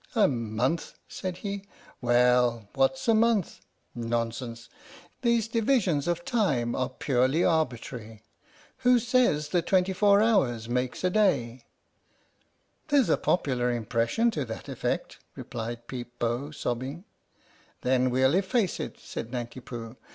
"A month?" said he. "Well, what's a month? Nonsense. Thesedivisionsoftimearepurelyarbitrary. Who says that twenty four hours make a day? "" There's a popular impression to that effect," replied Peep Bo, sobbing. 79 THE STORY OF THE MIKADO "Then we'll efface it," said Nanki Poo.